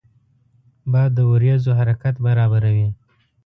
باد د وریځو حرکت برابروي